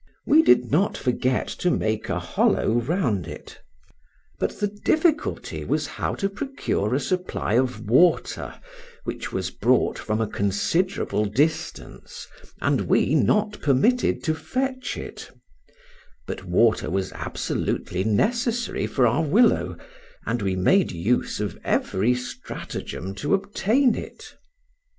We did not forget to make a hollow round it, but the difficulty was how to procure a supply of water, which was brought from a considerable distance, and we not permitted to fetch it: but water was absolutely necessary for our willow, and we made use of every stratagem to obtain it.